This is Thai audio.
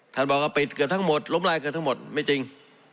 ท่านบอกว่าปิดเกือบทั้งหมดล้มลายเกือบทั้งหมดไม่จริง